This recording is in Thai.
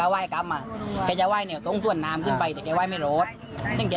แล้วไหว่กรัมนะไอ้เคเฉ้าว่ายถ่วนน้ำขึ้นไปแตกว่าไหว่ไม่โร่ต